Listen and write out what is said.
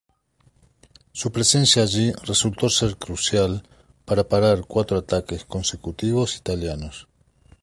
Su presencia allí resultó ser crucial para parar cuatro ataques consecutivos italianos.